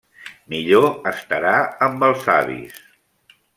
Millor estarà amb els avis.